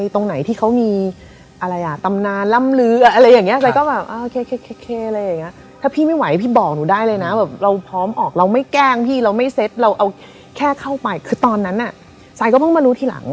ใส่ทำอะไรอย่างอื่นไม่ได้เลยเพราะผมก็ต้องคง